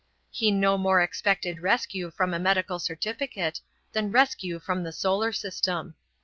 He no more expected rescue from a medical certificate than rescue from the solar system.